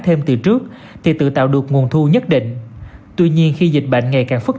thêm từ trước thì tự tạo được nguồn thu nhất định tuy nhiên khi dịch bệnh ngày càng phức